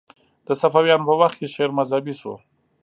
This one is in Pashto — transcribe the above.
د صفویانو په وخت کې شعر مذهبي شو